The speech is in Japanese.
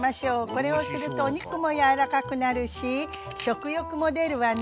これをするとお肉も柔らかくなるし食欲も出るわね。